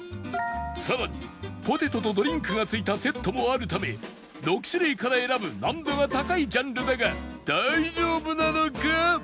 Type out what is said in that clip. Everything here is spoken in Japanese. さらにポテトとドリンクが付いたセットもあるため６種類から選ぶ難度が高いジャンルだが大丈夫なのか？